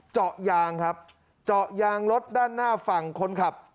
เจาะยางครับเจาะยางรถด้านหน้าฝั่งคนขับ